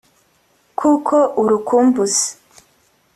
kuko urukumbuzi